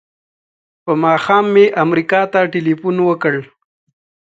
په ماښام مې امریکا ته ټیلفون وکړ.